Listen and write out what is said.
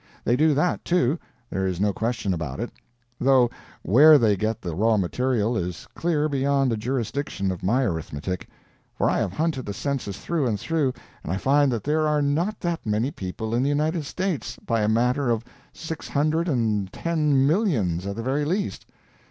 They do that, too there is no question about it; though where they get the raw material is clear beyond the jurisdiction of my arithmetic; for I have hunted the census through and through, and I find that there are not that many people in the United States, by a matter of six hundred and ten millions at the very least.